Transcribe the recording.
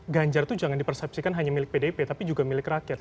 ganjar itu jangan dipersepsikan hanya milik pdip tapi juga milik rakyat